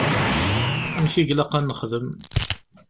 Amek i ilaq ad nexdem?